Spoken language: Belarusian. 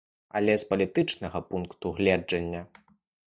Але з палітычнага пункту гледжання.